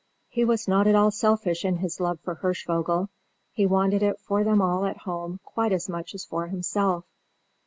He was not at all selfish in his love for Hirschvogel: he wanted it for them all at home quite as much as for himself.